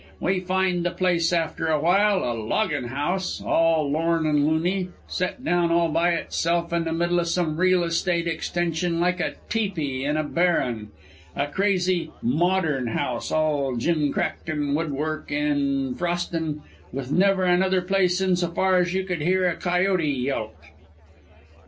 We finds the place after awhile, a lodgin' house all lorn and loony, set down all by itself in the middle o' some real estate extension like a tepee in a 'barren' a crazy 'modern' house all gimcrack and woodwork and frostin', with never another place in so far as you could hear a coyote yelp.